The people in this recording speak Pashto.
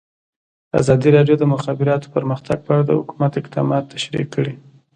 ازادي راډیو د د مخابراتو پرمختګ په اړه د حکومت اقدامات تشریح کړي.